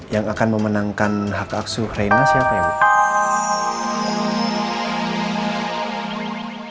yang akan memenangkan hak hak suh raina siapa ya bu